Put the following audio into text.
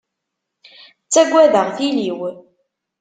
Ttaggadeɣ tili-w.